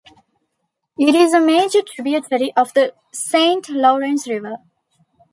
It is a major tributary of the Saint Lawrence River.